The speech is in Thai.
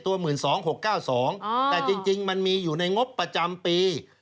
แต่จริงมันมีอยู่ในงบประจำปี